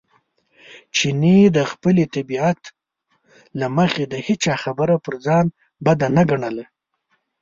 چیني د خپلې طبیعت له مخې د هېچا خبره پر ځان بد نه ګڼله.